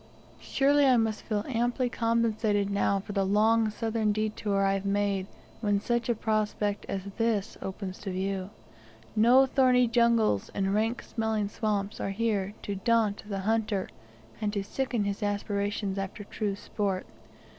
Surely I must feel amply compensated now for the long southern detour I have made, when such a prospect as this opens to the view! No thorny jungles and rank smelling swamps are here to daunt the hunter, and to sicken his aspirations after true sport!